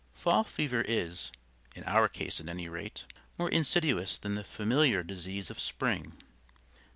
Fall fever is (in our case at any rate) more insidious than the familiar disease of spring.